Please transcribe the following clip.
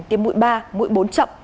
tiêm mũi ba mũi bốn chậm